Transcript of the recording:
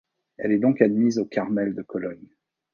Elle est donc admise au Carmel de Cologne.